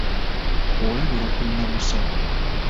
Olabira ku nnamusa.